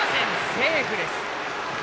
セーフです。